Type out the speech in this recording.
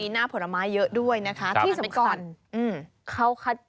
มีหน้าผลไม้เยอะด้วยนะคะ